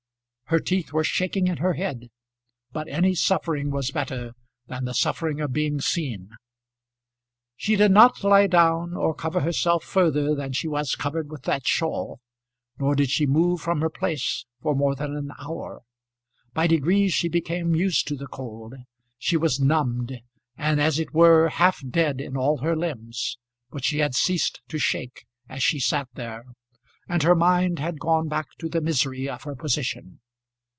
Her teeth were shaking in her head, but any suffering was better than the suffering of being seen. [Illustration: Lady Mason after her Confession.] She did not lie down, or cover herself further than she was covered with that shawl, nor did she move from her place for more than an hour. By degrees she became used to the cold. She was numbed, and as it were, half dead in all her limbs, but she had ceased to shake as she sat there, and her mind had gone back to the misery of her position.